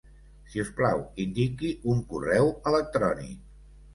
Si us plau, indiqui un correu electrònic.